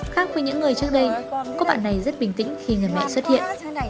khác với những người trước đây cô bạn này rất bình tĩnh khi người mẹ xuất hiện